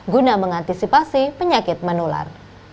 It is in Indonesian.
guna mengantisipasi penyakit menular